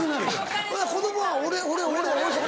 子供は「俺俺俺俺」。